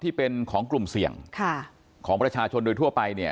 ที่เป็นของกลุ่มเสี่ยงค่ะของประชาชนโดยทั่วไปเนี่ย